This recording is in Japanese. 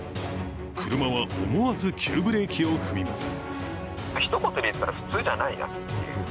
車は思わず急ブレーキを踏みます。